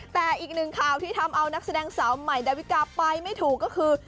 แต่อีกหนึ่งข่าวที่ทำเอานักแสดงสาวใหม่ดาวิกาไปไม่ถูกก็คือ